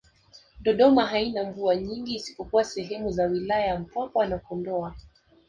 Dodoma haina mvua nyingi isipokuwa sehemu za wilaya za Mpwapwa na Kondoa